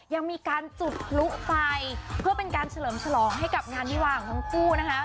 ยังมีการจุดพลุไฟเพื่อเป็นการเฉลิมฉลองให้กับงานวิวาของทั้งคู่นะคะ